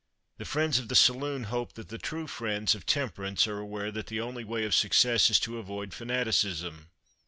The friends of the saloon hope that the true friends of temperance are aware that the only way of success is to avoid fanaticism.